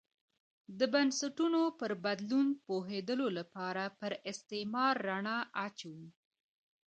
د بنسټونو پر بدلون پوهېدو لپاره پر استعمار رڼا اچوو.